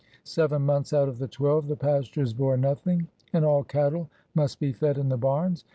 Seven months out of the twelve the pastures bore nothing, and all cattle must be fed in the barns.